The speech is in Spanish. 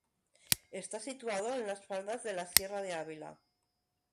Está situado en las faldas de la Sierra de Ávila.